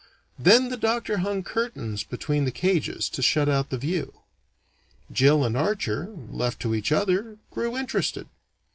Then the doctor hung curtains between the cages to shut out the view. Jill and Archer, left to each other, grew interested.